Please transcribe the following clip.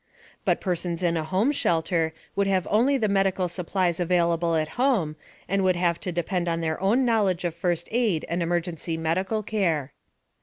But persons in a home shelter would have only the medical supplies available at home, and would have to depend on their own knowledge of first aid and emergency medical care.